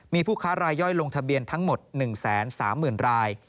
มีผู้ค้ารายย่อยลงทะเบียนทั้งหมด๑๓๐๐๐ราย